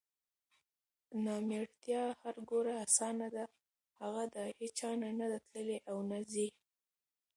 نامېړتیا هر ګوره اسانه ده هغه د هیچا نه نده تللې اونه ځي